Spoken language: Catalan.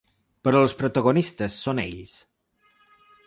Però els protagonistes són ells.